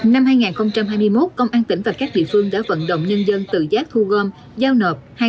năm hai nghìn hai mươi một công an tỉnh và các địa phương đã vận động nhân dân tự giác thu gom giao nộp